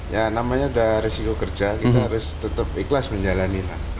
ya namanya sudah risiko kerja kita harus tetap ikhlas menjalani lah